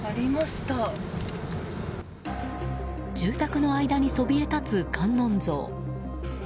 住宅の間にそびえ立つ観音像。